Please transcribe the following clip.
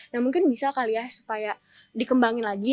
nah mungkin bisa kali ya supaya dikembangin lagi